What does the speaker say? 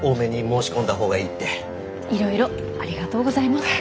いろいろありがとうございます。